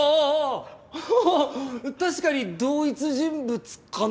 おお確かに同一人物かな？